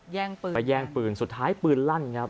ไปแย่งปืนสุดท้ายปืนลั่น